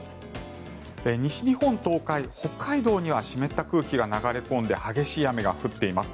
西日本、東海、北海道には湿った空気が流れ込んで激しい雨が降っています。